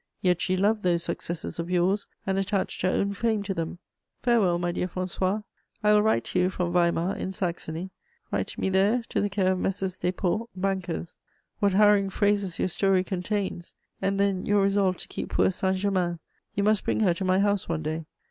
Yet she loved those successes of yours, and attached her own fame to them. Farewell, my dear François. I will write to you from Weimar, in Saxony. Write to me there, to the care of Messrs. Desport, bankers. What harrowing phrases your story contains! And then your resolve to keep poor Saint Germain: you must bring her to my house one day.